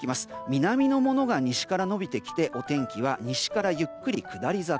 南のものが西から延びてきてお天気は西からゆっくり下り坂。